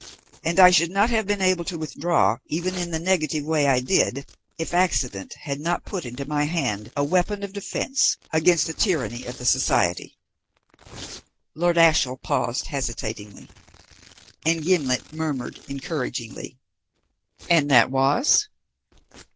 And I should not have been able to withdraw, even in the negative way I did, if accident had not put into my hand a weapon of defence against the tyranny of the Society." Lord Ashiel paused hesitatingly, and Gimblet murmured encouragingly: "And that was?"